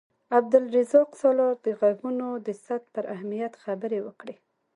عبدالرزاق سالار د غږونو د ثبت پر اهمیت خبرې وکړې.